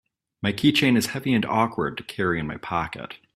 My keychain is heavy and awkward to carry in my pocket.